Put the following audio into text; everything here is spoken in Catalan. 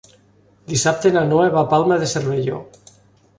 Dissabte na Noa va a la Palma de Cervelló.